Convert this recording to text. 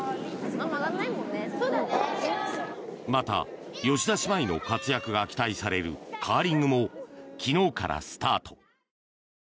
また、吉田姉妹の活躍が期待されるカーリングも昨日からスタート。